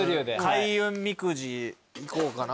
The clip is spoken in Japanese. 開運みくじいこうかな。